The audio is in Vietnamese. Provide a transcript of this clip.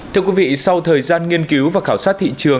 thưa quý vị sau thời gian nghiên cứu và khảo sát thị trường